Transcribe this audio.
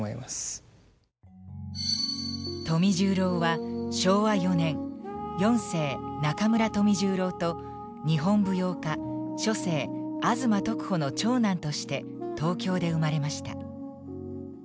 富十郎は昭和４年四世中村富十郎と日本舞踊家初世吾妻徳穂の長男として東京で生まれました。